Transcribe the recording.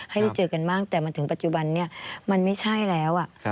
ให้ได้เจอกันบ้างแต่มาถึงปัจจุบันนี้มันไม่ใช่แล้ว